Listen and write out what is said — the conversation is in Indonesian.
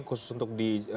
khusus untuk di jakarta